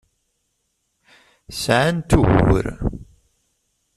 Sɛant ugur.